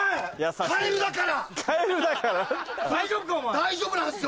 大丈夫なんですよ。